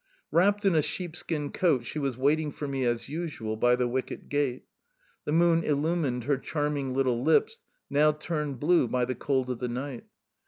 Wrapped up in a sheepskin coat she was waiting for me, as usual, by the wicket gate. The moon illumined her charming little lips, now turned blue by the cold of the night.